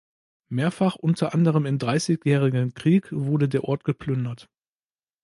Mehrfach, unter anderem im Dreißigjährigen Krieg, wurde der Ort geplündert.